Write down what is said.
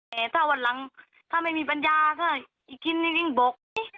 แหมถ้าวันหลังถ้าไม่มีปัญญาซ็อต่อไอ้คนจริงบก